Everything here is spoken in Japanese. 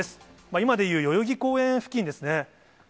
今でいう代々木公園付近ですね。